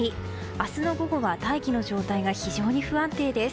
明日の午後は大気の状態が非常に不安定です。